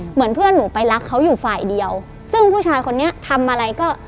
เหมือนเพื่อนหนูไปรักเขาอยู่ฝ่ายเดียวซึ่งผู้ชายคนนี้ทำอะไรก็